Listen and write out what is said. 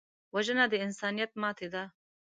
وژنه د انسانیت ماتې ده